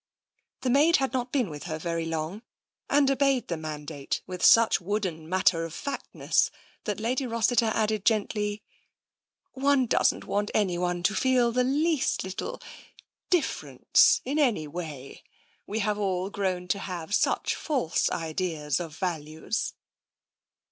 The maid had not been with her very long, and obeyed the mandate with such wooden matter of fact ness that Lady Rossiter added gently :" One doesn't want anyone to feel the least little — difference — in any way. We have all grown to have such false ideas of values